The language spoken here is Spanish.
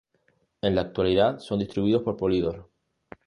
En la actualidad son distribuidos por Polydor.